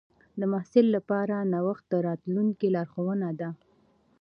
د محصل لپاره نوښت د راتلونکي لارښوونه ده.